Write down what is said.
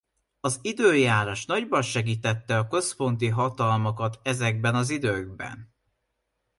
Az időjárás nagyban segítette a központi hatalmakat ezekben a időkben.